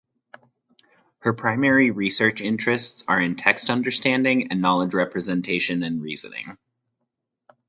Her primary research interests are in text understanding and knowledge representation and reasoning.